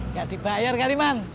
gak dibayar kali man